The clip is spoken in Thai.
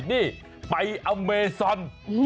นี่ไปอเมซอน